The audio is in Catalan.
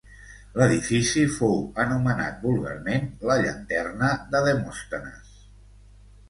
L'edifici fou anomenat vulgarment la llanterna de Demòstenes.